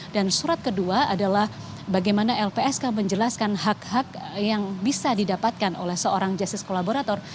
dan surat kedua adalah bagaimana lpsk menjelaskan hak hak yang bisa didapatkan oleh seorang justice kolaborator